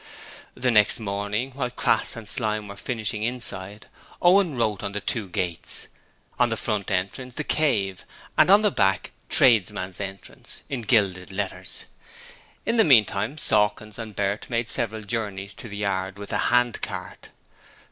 The next morning while Crass and Slyme were finishing inside, Owen wrote the two gates. On the front entrance 'The Cave' and on the back 'Tradesmens Entrance', in gilded letters. In the meantime, Sawkins and Bert made several journeys to the Yard with the hand cart.